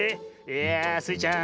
いやあスイちゃん